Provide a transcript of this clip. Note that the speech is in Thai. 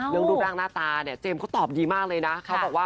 เรื่องรูปร่างหน้าตาเจมส์ก็ตอบดีมากเลยนะ